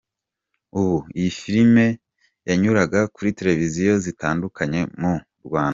Ubu iyi filime yanyuraga kuri televiziyo zitandukanye mu.